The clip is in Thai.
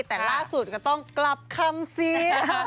แต่ล่าสุดก็ต้องกลับคำเสีย